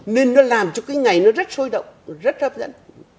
nên nó làm cho cái ngày nó rất sôi động rất hấp dẫn